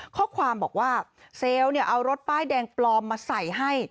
ข้อความบอกว่าเซลล์เอารถป้ายแดงปลอมมาใส่ให้